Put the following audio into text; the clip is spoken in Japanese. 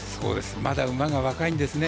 まだ馬が若いんですね。